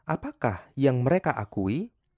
apakah yang mereka akui